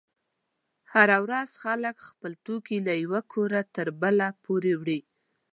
هره ورځ خلک خپل توکي له یوه کوره تر بله پورې وړي.